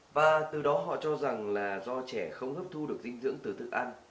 và từ đó họ cho rằng là do trẻ không hấp thu được dinh dưỡng từ thức ăn